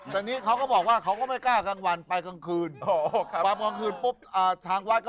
แต่นี้เขาก็บอกว่าเขาก็ไม่กล้ากลางวันไปกลางคืน